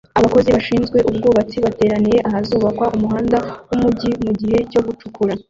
Abakozi bashinzwe ubwubatsi bateraniye ahazubakwa umuhanda wumujyi mugihe cyo gucukura